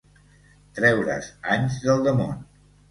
Treure's anys del damunt.